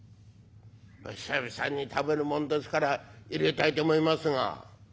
「久々に食べるもんですから入れたいと思いますが」。